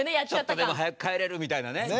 ちょっとでも早く帰れるみたいなね。